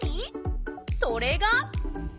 それが。